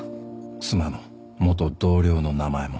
妻の元同僚の名前も